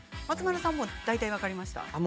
松丸さん大体分かりました？